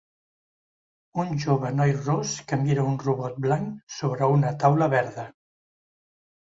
Un jove noi ros que mira un robot blanc sobre una taula verda.